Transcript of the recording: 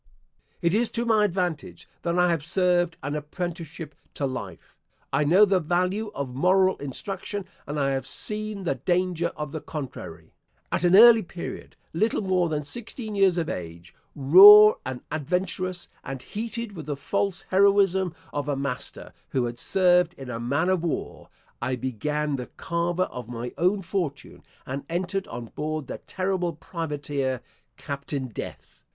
It is to my advantage that I have served an apprenticeship to life. I know the value of moral instruction, and I have seen the danger of the contrary. At an early period little more than sixteen years of age, raw and adventurous, and heated with the false heroism of a master* who had served in a man of war I began the carver of my own fortune, and entered on board the Terrible Privateer, Captain Death.